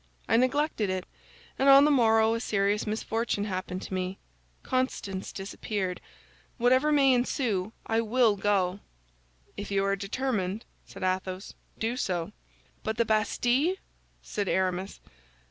I neglected it, and on the morrow a serious misfortune happened to me—Constance disappeared. Whatever may ensue, I will go." "If you are determined," said Athos, "do so." "But the Bastille?" said Aramis.